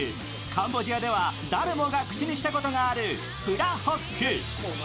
カンボジアでは誰もが口にしたことがあるプラホック。